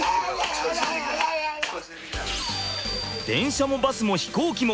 電車もバスも飛行機も。